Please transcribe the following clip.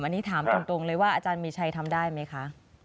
อันนี้ถามตรงเลยว่าอาจารย์มีชัยทำได้ไหมคะ